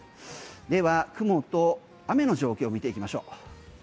では雲と雨の状況を見ていきましょう。